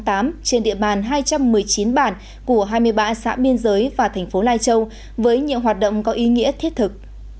trên địa bàn hai trăm một mươi chín bản của hai mươi ba xã biên giới và thành phố lai châu với nhiều hoạt động có ý nghĩa thiết thực